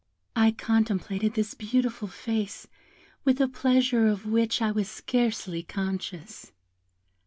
"I contemplated this beautiful face with a pleasure of which I was scarcely conscious.